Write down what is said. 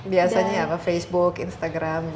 biasanya apa facebook instagram gitu